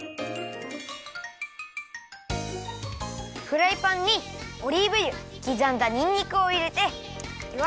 フライパンにオリーブ油きざんだにんにくをいれてよ